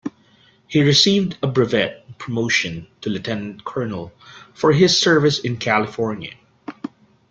He received a brevet promotion to lieutenant colonel for his service in California.